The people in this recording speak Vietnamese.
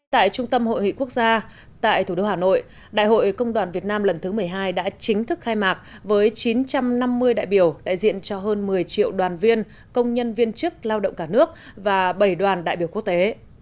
tại trung tâm hội nghị quốc gia tại thủ đô hà nội đại hội công đoàn việt nam lần thứ một mươi hai đã chính thức khai mạc với chín trăm năm mươi đại biểu đại diện cho hơn một mươi triệu đoàn viên công nhân viên chức lao động cả nước và bảy đoàn đại biểu quốc tế